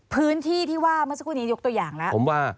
พื้นที่ที่ว่าเมื่อสักครู่นี้ยกตัวอย่างแล้ว